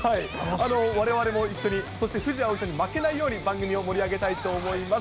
われわれも一緒に、そして富士葵さんに負けないように番組を盛り上げたいと思います。